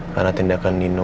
karena tindakan nino